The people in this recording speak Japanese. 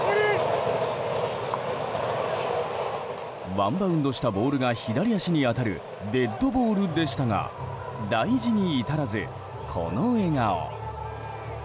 ワンバウンドしたボールが左足に当たるデッドボールでしたが大事に至らずこの笑顔。